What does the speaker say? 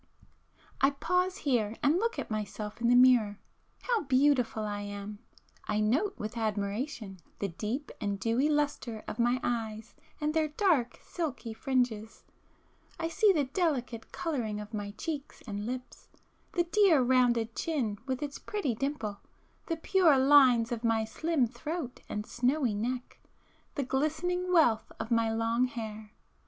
····· I pause here, and look at myself in the mirror. How beautiful I am! I note with admiration the deep and dewy lustre of my eyes and their dark silky fringes,—I see the delicate colouring of my cheeks and lips,—the dear rounded chin with its pretty dimple,—the pure lines of my slim throat and snowy neck,—the glistening wealth of my long hair.